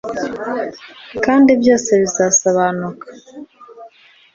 kandi byose bizasobanuka